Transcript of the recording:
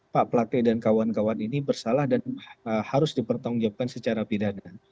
pak plate dan kawan kawan ini bersalah dan harus dipertanggungjawabkan secara pidana